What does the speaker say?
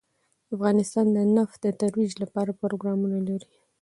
افغانستان د نفت د ترویج لپاره پروګرامونه لري.